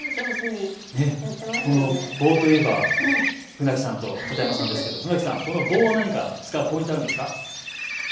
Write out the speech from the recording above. この棒といえば船木さんと片山さんですけど、船木さん、この棒を使うポイント、あるんですか。